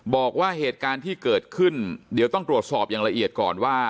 บอกว่าเหตุการณ์ที่เกิดขึ้นเดี๋ยวต้องตรวจสอบอย่างละเอียดก่อนว่า